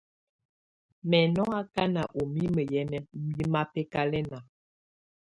Mɛ̀ nɔ̀ akana ù mimǝ yɛ̀ mabɛkalɛna.